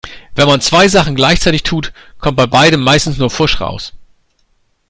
Wenn man zwei Sachen gleichzeitig tut, kommt bei beidem meistens nur Pfusch raus.